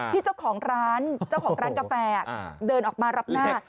พี่เจ้าของร้านกาแฟเดินออกมารับหน้า